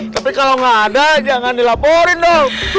tapi kalau nggak ada jangan dilaporin dong